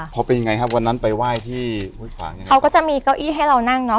พอไปยังไงครับวันนั้นไปว่ายที่เขาก็จะมีเก้าอี้ให้เรานั่งเนอะ